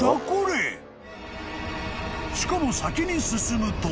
［しかも先に進むと］